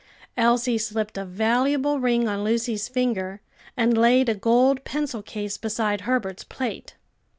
Elsie slipped a valuable ring on Lucy's finger and laid a gold pencil case beside Herbert's plate.